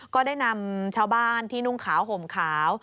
ก็ได้นำชาวบ้านที่นุ่งขาวห่มขาว